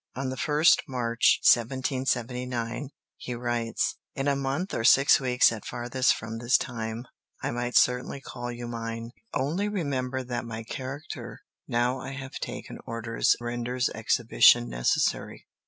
On the 1st March, 1779, he writes: "In a month or six weeks at farthest from this time I might certainly call you mine. Only remember that my character now I have taken orders renders exhibition necessary.